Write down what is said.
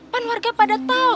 kan warga pada tau